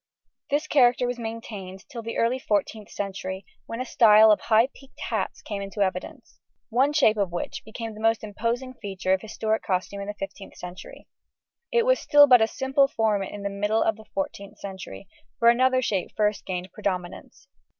This character was maintained till the early 14th century, when a style of high peaked hats came into evidence, one shape of which became the most imposing feature of historic costume in the 15th century. It was still but a simple form in the middle of the 14th century, for another shape first gained predominance.